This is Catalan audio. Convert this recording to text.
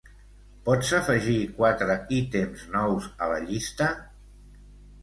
Pots afegir quatre ítems nous a la llista?